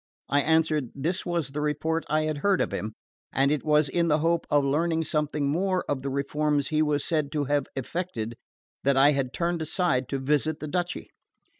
I answered, this was the report I had heard of him; and it was in the hope of learning something more of the reforms he was said to have effected, that I had turned aside to visit the duchy.